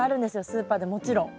スーパーでもちろん。